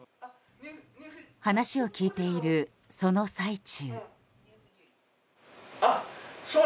話を聞いている、その最中。